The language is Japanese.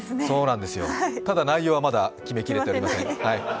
ただ内容は、まだ決めきれていません。